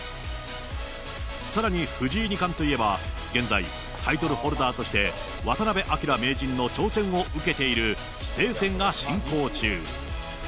さらに藤井二冠といえば、現在、タイトルホルダーとして渡辺明名人の挑戦を受けている棋聖戦が進行中。